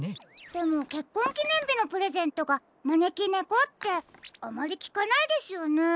でもけっこんきねんびのプレゼントがまねきねこってあまりきかないですよね。